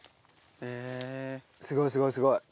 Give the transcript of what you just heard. すごいすごいすごい。